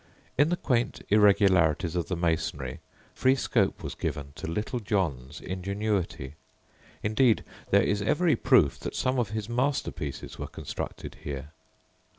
In the quaint irregularities of the masonry free scope was given to "Little John's" ingenuity; indeed, there is every proof that some of his masterpieces were constructed here.